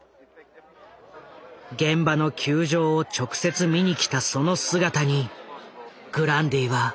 現場の窮状を直接見に来たその姿にグランディは衝撃を受けた。